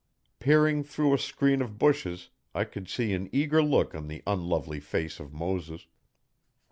Peering through a screen of bushes I could see an eager look on the unlovely face of Moses.